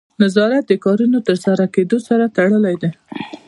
نظارت د کارونو د ترسره کیدو سره تړلی دی.